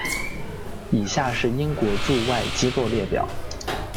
以下是英国驻外机构列表。